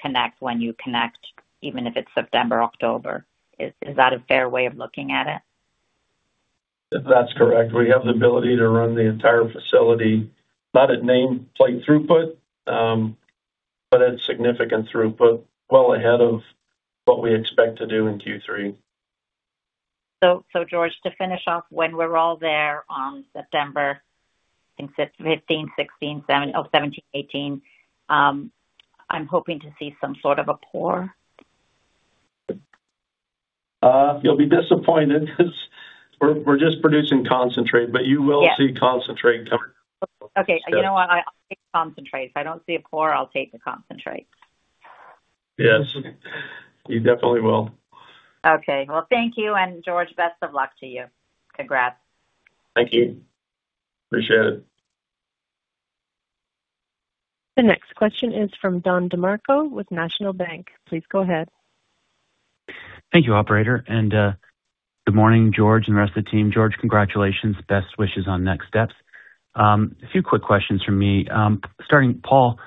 connect when you connect, even if it's September, October. Is that a fair way of looking at it? That's correct. We have the ability to run the entire facility, not at nameplate throughput, but at significant throughput, well ahead of what we expect to do in Q3. George, to finish off, when we're all there on September, I think 15, 16, 17, 18, I'm hoping to see some sort of a pour? You'll be disappointed because we're just producing concentrate, but you will. Yeah See concentrate coming. Okay. You know what? I'll take concentrate. If I don't see a pour, I'll take the concentrate. Yes. You definitely will. Okay. Well, thank you. George, best of luck to you. Congrats. Thank you. Appreciate it. The next question is from Don DeMarco with National Bank. Please go ahead. Thank you, operator, and good morning, George and the rest of the team. George, congratulations. Best wishes on next steps. A few quick questions from me. Starting, Paul,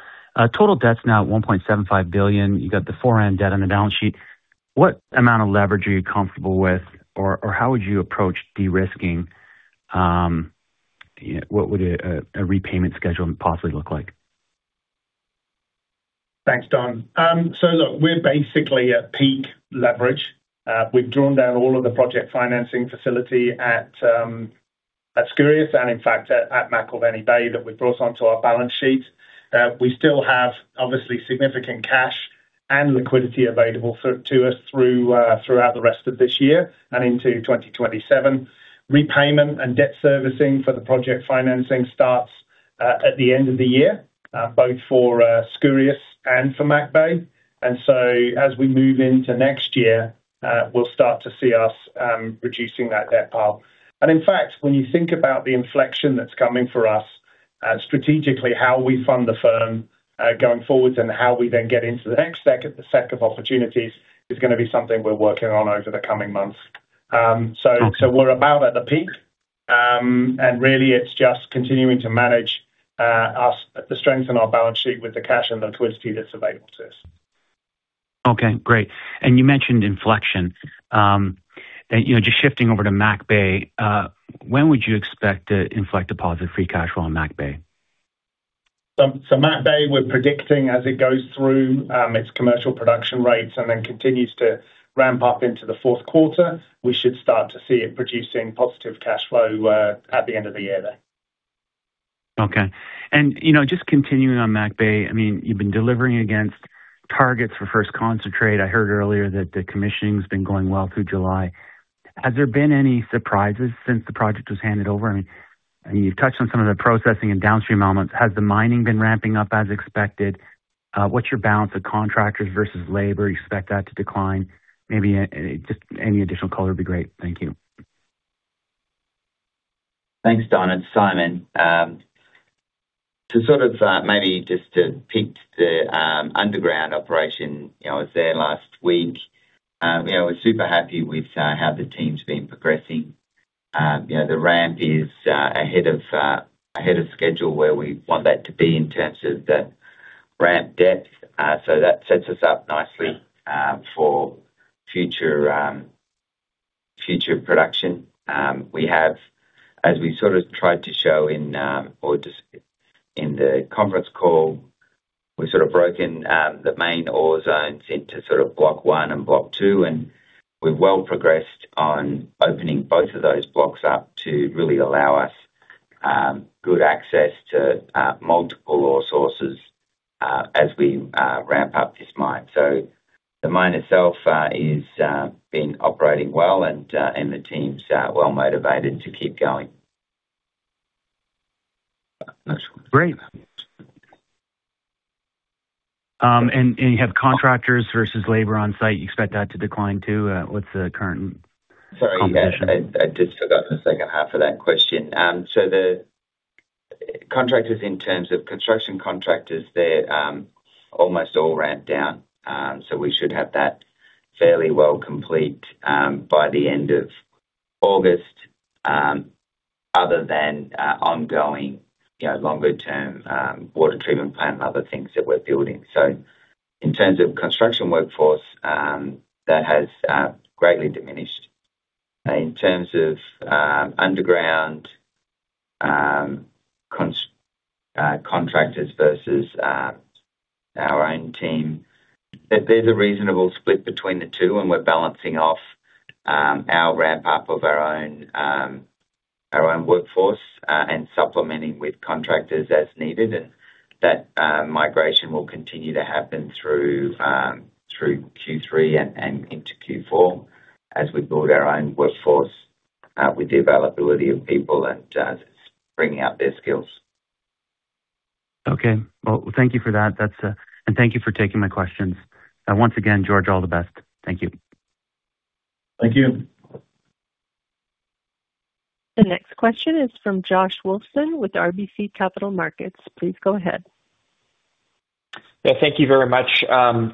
total debt's now at $1.75 billion. You got the Foran debt on the balance sheet. What amount of leverage are you comfortable with or how would you approach de-risking? What would a repayment schedule possibly look like? Thanks, Don. Look, we're basically at peak leverage. We've drawn down all of the project financing facility at Skouries and in fact at McIlvenna Bay that we've brought onto our balance sheet. We still have obviously significant cash and liquidity available to us throughout the rest of this year and into 2027. Repayment and debt servicing for the project financing starts at the end of the year, both for Skouries and for McIlvenna Bay. As we move into next year, we'll start to see us reducing that debt pile. In fact, when you think about the inflection that's coming for us, strategically, how we fund the firm, going forwards and how we then get into the next set of opportunities is going to be something we're working on over the coming months. We're about at the peak, and really it's just continuing to manage to strengthen our balance sheet with the cash and the liquidity that's available to us. Okay, great. You mentioned inflection. Just shifting over to McIlvenna Bay, when would you expect to inflect a positive free cash flow on McIlvenna Bay? McIlvenna Bay, we're predicting as it goes through its commercial production rates and then continues to ramp up into the fourth quarter, we should start to see it producing positive cash flow, at the end of the year there. Okay. Just continuing on McIlvenna Bay, you've been delivering against targets for first concentrate. I heard earlier that the commissioning's been going well through July. Has there been any surprises since the project was handed over? You've touched on some of the processing and downstream elements. Has the mining been ramping up as expected? What's your balance of contractors versus labor? You expect that to decline? Maybe just any additional color would be great. Thank you. Thanks, Don and Simon. To sort of, maybe just to pick the underground operation, I was there last week. We were super happy with how the team's been progressing. The ramp is ahead of schedule where we want that to be in terms of the ramp depth. That sets us up nicely for future production. We have, as we sort of tried to show in the conference call, we sort of broken the main ore zones into block one and block two, and we're well progressed on opening both of those blocks up to really allow us good access to multiple ore sources as we ramp up this mine. The mine itself has been operating well, and the team's well motivated to keep going. Great. You have contractors versus labor on site. You expect that to decline too? What's the current composition? Sorry, I just forgot the second half of that question. The contractors, in terms of construction contractors, they're almost all ramped down. We should have that fairly well complete by the end of August other than ongoing longer-term water treatment plant and other things that we're building. In terms of construction workforce, that has greatly diminished. In terms of underground contractors versus our own team, there's a reasonable split between the two, and we're balancing off our ramp-up of our own workforce and supplementing with contractors as needed. That migration will continue to happen through Q3 and into Q4 as we build our own workforce with the availability of people and bringing up their skills. Okay. Well, thank you for that. Thank you for taking my questions. Once again, George, all the best. Thank you. Thank you. The next question is from Josh Wolfson with RBC Capital Markets. Please go ahead. Yeah, thank you very much.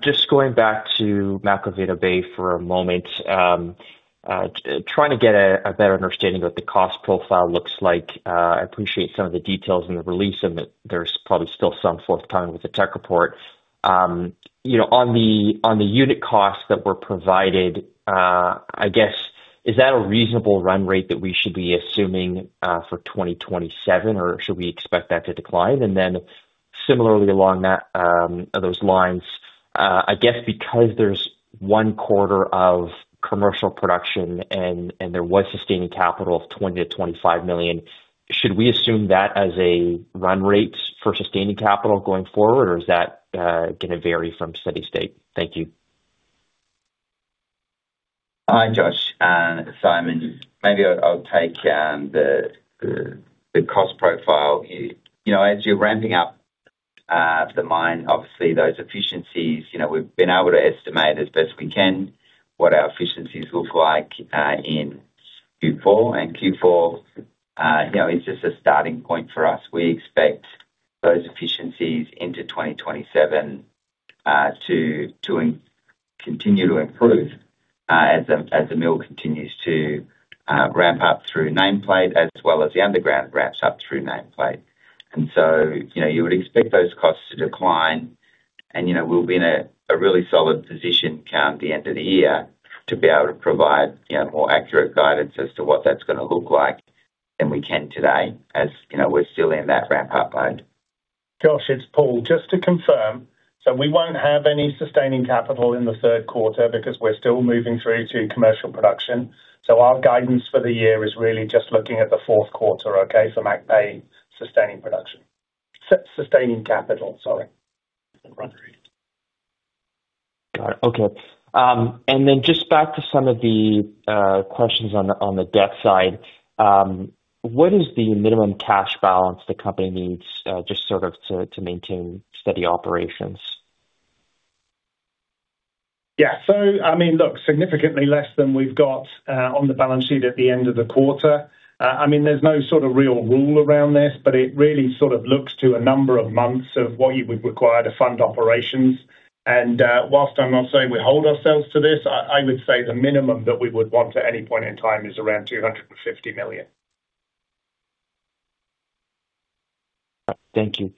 Just going back to McIlvenna Bay for a moment. Trying to get a better understanding of what the cost profile looks like. I appreciate some of the details in the release and that there's probably still some forthcoming with the tech report. On the unit costs that were provided, I guess, is that a reasonable run rate that we should be assuming for 2027, or should we expect that to decline? Similarly along those lines, I guess because there's one quarter of commercial production and there was sustaining capital of $20 million-$25 million, should we assume that as a run rate for sustaining capital going forward, or is that going to vary from steady state? Thank you. Hi, Josh. Simon, maybe I'll take the cost profile. As you're ramping up the mine, obviously those efficiencies, we've been able to estimate as best as we can what our efficiencies look like in Q4. Q4 is just a starting point for us. We expect those efficiencies into 2027 to continue to improve as the mill continues to ramp up through nameplate, as well as the underground ramps up through nameplate. You would expect those costs to decline. We'll be in a really solid position come the end of the year to be able to provide more accurate guidance as to what that's going to look like than we can today, as we're still in that ramp-up mode. Josh, it's Paul. Just to confirm, we won't have any sustaining capital in the third quarter because we're still moving through to commercial production. Our guidance for the year is really just looking at the fourth quarter, okay, for McIlvenna Bay sustaining production. Sustaining capital, sorry. Got it. Okay. Just back to some of the questions on the debt side. What is the minimum cash balance the company needs, just sort of to maintain steady operations? Yeah. Look, significantly less than we've got on the balance sheet at the end of the quarter. There's no sort of real rule around this, but it really sort of looks to a number of months of what you would require to fund operations. Whilst I'm not saying we hold ourselves to this, I would say the minimum that we would want at any point in time is around $250 million. Thank you.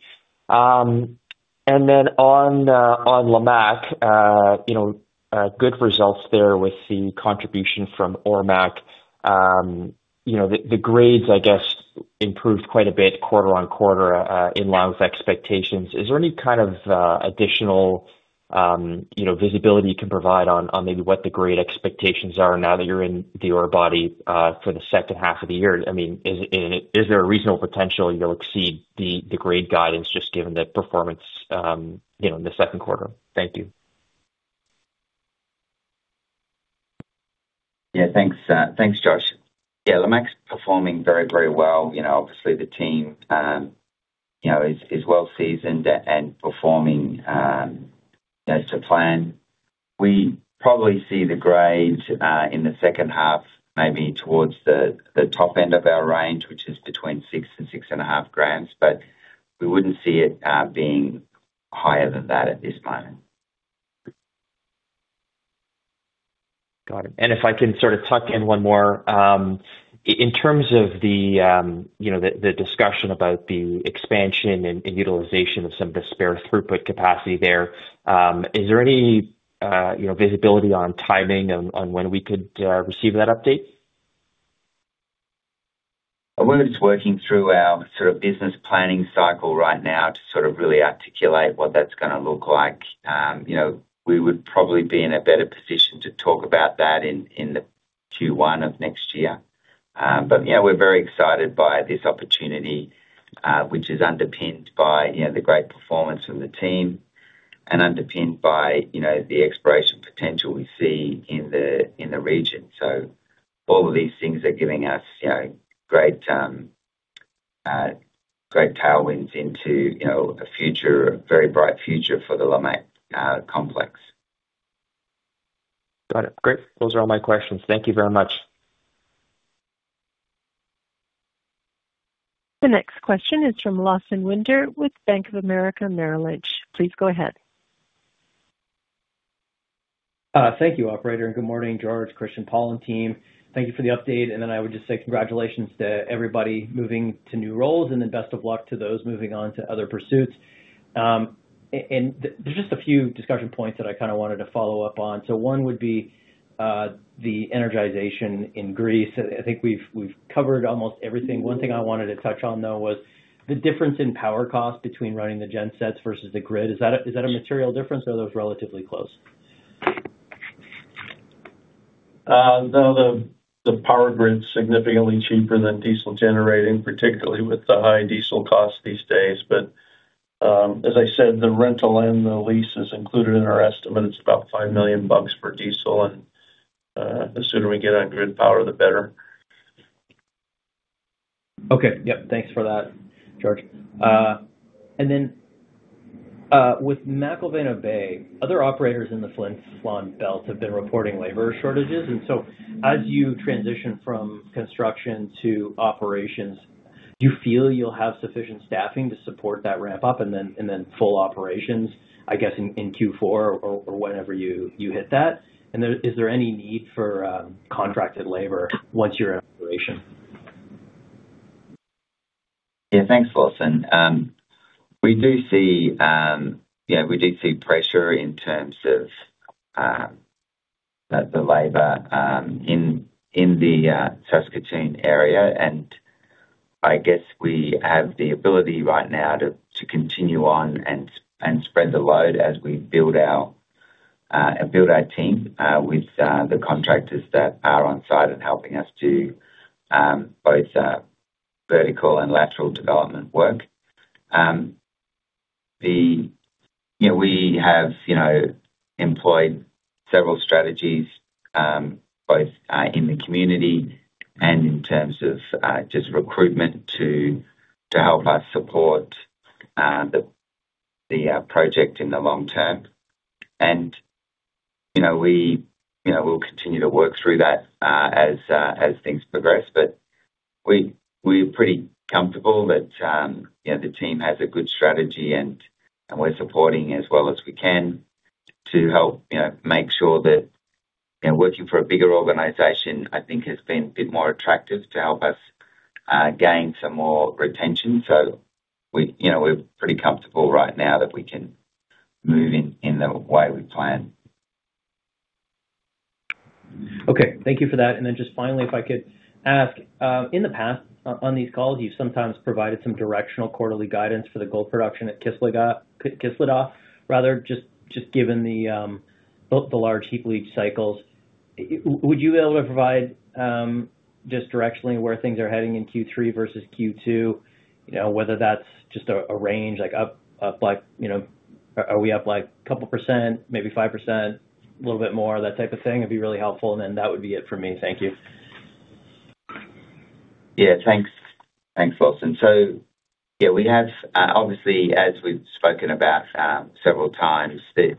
On Lamaque, good results there with the contribution from Ormaque. The grades, I guess, improved quite a bit quarter-on-quarter, in line with expectations. Is there any kind of additional visibility you can provide on maybe what the grade expectations are now that you're in the ore body, for the second half of the year? Is there a reasonable potential you'll exceed the grade guidance just given the performance in the second quarter? Thank you. Yeah. Thanks, Josh. Yeah, Lamaque's performing very well. Obviously, the team is well seasoned and performing as to plan. We probably see the grades, in the second half, maybe towards the top end of our range, which is between 6 grams and 6.5 grams. We wouldn't see it being higher than that at this point. Got it. If I can sort of tuck in one more. In terms of the discussion about the expansion and utilization of some of the spare throughput capacity there, is there any visibility on timing on when we could receive that update? We're just working through our sort of business planning cycle right now to sort of really articulate what that's gonna look like. We would probably be in a better position to talk about that in the Q1 of next year. Yeah, we're very excited by this opportunity, which is underpinned by the great performance of the team and underpinned by the exploration potential we see in the region. All of these things are giving us great tailwinds into a very bright future for the Lamaque Complex. Got it. Great. Those are all my questions. Thank you very much. The next question is from Lawson Winder with Bank of America Merrill Lynch. Please go ahead. Thank you, operator, and good morning, George, Christian, Paul, and team. Thank you for the update. I would just say congratulations to everybody moving to new roles, then best of luck to those moving on to other pursuits. There's just a few discussion points that I kind of wanted to follow up on. One would be the energization in Greece. I think we've covered almost everything. One thing I wanted to touch on, though, was the difference in power cost between running the gen sets versus the grid. Is that a material difference or are those relatively close? The power grid's significantly cheaper than diesel generating, particularly with the high diesel cost these days. As I said, the rental and the lease is included in our estimate. It's about $5 million for diesel. The sooner we get on grid power, the better. Okay. Yep. Thanks for that, George. With McIlvenna Bay, other operators in the Flin Flon Belt have been reporting labor shortages. As you transition from construction to operations, do you feel you'll have sufficient staffing to support that ramp up, full operations, I guess, in Q4 or whenever you hit that? Is there any need for contracted labor once you're in operation? Yeah. Thanks, Lawson. We do see pressure in terms of the labor in the Saskatoon area. We have the ability right now to continue on and spread the load as we build our team with the contractors that are on site and helping us do both vertical and lateral development work. We have employed several strategies, both in the community and in terms of just recruitment to help us support the project in the long term. We'll continue to work through that as things progress. We're pretty comfortable that the team has a good strategy, and we're supporting as well as we can to help make sure that Working for a bigger organization, I think, has been a bit more attractive to help us gain some more retention. We're pretty comfortable right now that we can move in the way we plan. Okay. Thank you for that. Just finally, if I could ask, in the past, on these calls, you've sometimes provided some directional quarterly guidance for the gold production at Kışladağ. Just given the large heap leach cycles, would you be able to provide just directionally where things are heading in Q3 versus Q2? Whether that's just a range, are we up a couple percent, maybe 5%, a little bit more, that type of thing would be really helpful. That would be it for me. Thank you. Yeah. Thanks, Lawson. We have, obviously, as we've spoken about several times, that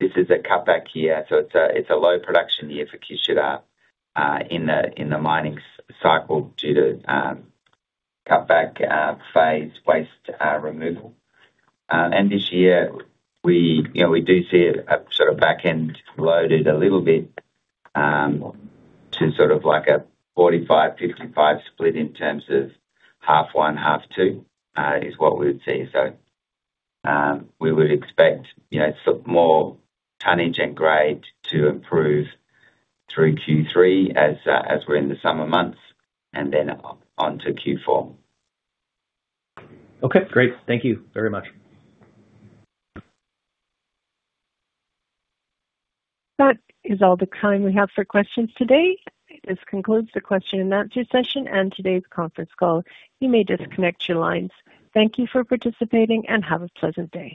this is a cutback year, so it's a low production year for Kışladağ in the mining cycle due to cutback phase waste removal. This year we do see it sort of back-end loaded a little bit, to sort of like a 45/55 split in terms of half one, half two, is what we would see. We would expect more tonnage and grade to improve through Q3 as we're in the summer months, then on to Q4. Okay, great. Thank you very much. That is all the time we have for questions today. This concludes the question and answer session and today's conference call. You may disconnect your lines. Thank you for participating, and have a pleasant day.